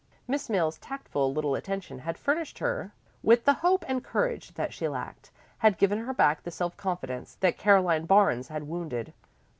Miss Mills's tactful little attention had furnished her with the hope and courage that she lacked, had given her back the self confidence that Caroline Barnes had wounded.